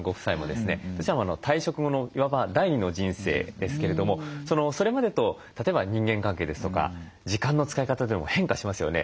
どちらも退職後のいわば第２の人生ですけれどもそれまでと例えば人間関係ですとか時間の使い方でも変化しますよね。